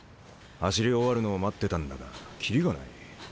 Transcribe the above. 走り終わるのを待ってたんだが切りがないね。